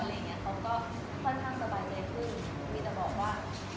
เขาก็ค่อนข้างสบายใจขึ้นมีแต่บอกว่า